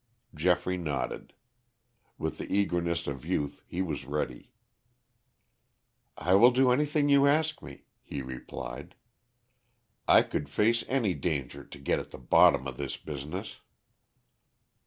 Geoffrey nodded. With the eagerness of youth he was ready. "I will do anything you ask me," he replied. "I could face any danger to get at the bottom of this business."